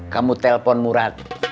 kamu telpon murad